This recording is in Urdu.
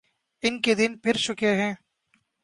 ان کے دن پھر چکے ہیں۔